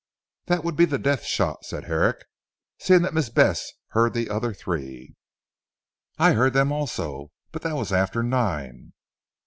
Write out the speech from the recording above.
"That would be the death shot," said Herrick, "seeing that Miss Bess heard the other three." "I heard them also. But that was after nine."